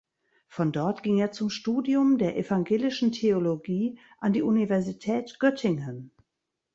Von dort ging er zum Studium der Evangelischen Theologie an die Universität Göttingen.